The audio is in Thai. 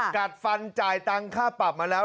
กัดฟันจ่ายตังค่าปรับมาแล้ว